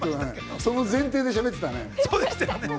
その前提でしゃべってたね。